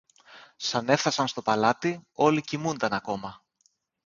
Σαν έφθασαν στο παλάτι, όλοι κοιμούνταν ακόμα.